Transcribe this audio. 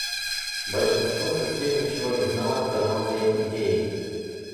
Большинство совсем ничего не знало про новые идеи.